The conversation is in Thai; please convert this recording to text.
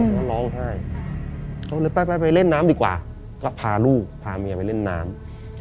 ก็ร้องไห้เขาเลยไปไปเล่นน้ำดีกว่าก็พาลูกพาเมียไปเล่นน้ำ